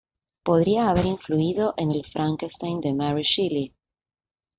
Podría haber influido en el "Frankenstein" de Mary Shelley.